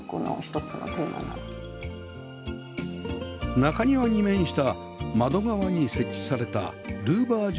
中庭に面した窓側に設置されたルーバー状の機器